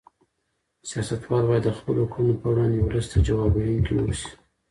سیاستوال باید د خپلو کړنو په وړاندې ولس ته ځواب ویونکي اوسي.